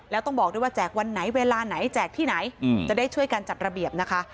แล้วต้องบอกด้วยว่าแจกวันไหนเวลาไหนแจกที่ไหนจะได้ช่วยการจัดระเบียบนะคะ